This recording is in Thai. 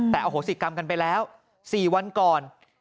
แต่อโหสิกรรมกันไปแล้ว๔วันก่อน